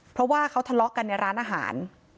เพราะว่าเขาทะเลาะกันในร้านอาหาร